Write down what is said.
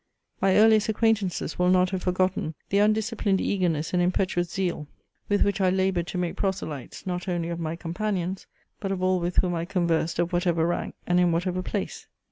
My earliest acquaintances will not have forgotten the undisciplined eagerness and impetuous zeal, with which I laboured to make proselytes, not only of my companions, but of all with whom I conversed, of whatever rank, and in whatever place.